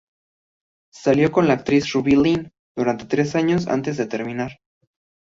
Salió con la actriz Ruby Lin, durante tres años antes de terminar.